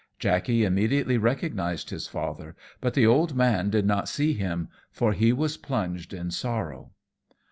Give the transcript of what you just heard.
Jackey immediately recognized his father, but the old man did not see him, for he was plunged in sorrow.